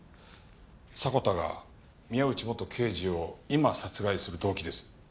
迫田が宮内元刑事を今殺害する動機です。